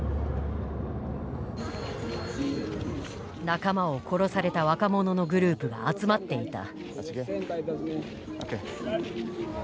仲間を殺された若者のグループが集まっていた。